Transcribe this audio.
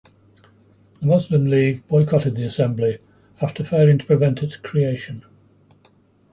The Muslim League boycotted the Assembly after failing to prevent its creation.